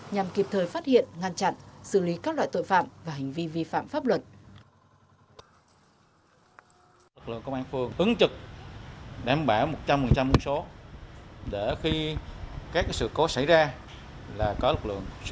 nhằm kịp thời phát hiện ngăn chặn xử lý các loại tội phạm và hành vi vi phạm pháp luật